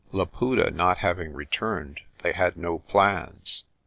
Laputa not having returned, they had no plans.